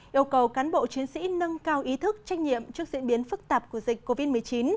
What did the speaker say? yêu cầu cán bộ chiến sĩ nâng cao ý thức trách nhiệm trước diễn biến phức tạp của dịch covid một mươi chín